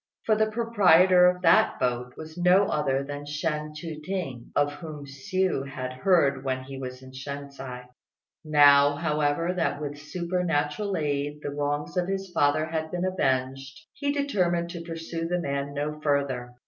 For the proprietor of that boat was no other than Shên Chu t'ing, of whom Hsiu had heard when he was in Shensi; now, however, that with supernatural aid the wrongs of his father had been avenged, he determined to pursue the man no further.